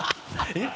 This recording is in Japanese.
えっ！